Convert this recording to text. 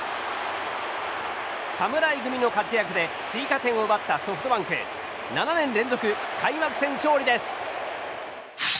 侍組の活躍で追加点を奪ったソフトバンク。７年連続開幕戦勝利です。